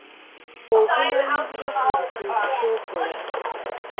Ovunaanyizibwa ku buli kintu ky'okola.